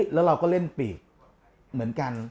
แล้วเราก็เล่นปีกเหมือนกัน